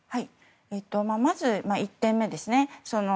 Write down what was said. まず１点目ですね